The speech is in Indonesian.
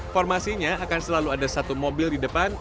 formasinya akan selalu ada satu mobil di depan